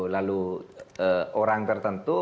lalu orang tertentu